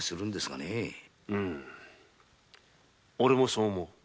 おれもそう思う。